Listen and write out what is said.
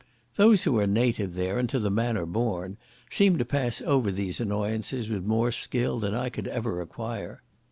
Those who are native there, and to the manner born, seem to pass over these annoyances with more skill than I could ever acquire.